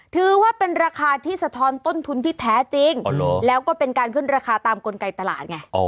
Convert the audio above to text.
ถือว่าเป็นราคาที่สะท้อนต้นทุนที่แท้จริงแล้วก็เป็นการขึ้นราคาตามกลไกตลาดไง